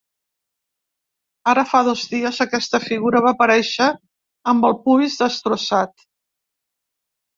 Ara fa dos dies, aquesta figura va aparèixer amb el pubis destrossat.